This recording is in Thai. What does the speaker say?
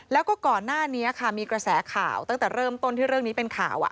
แล้วก็ก่อนหน้านี้ค่ะมีกระแสข่าวตั้งแต่เริ่มต้นที่เรื่องนี้เป็นข่าว